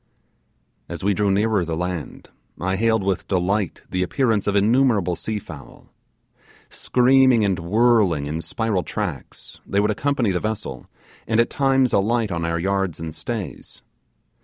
As we drew nearer the land, I hailed with delight the appearance of innumerable sea fowl. Screaming and whirling in spiral tracks, they would accompany the vessel, and at times alight on our yards and stays.